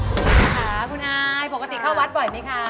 คุณอาค่ะคุณอายปกติเข้าวัดบ่อยไหมคะ